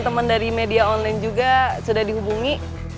temen temen dari media online juga sudah dihubungi